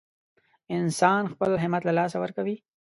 انسان خپل همت له لاسه ورکوي.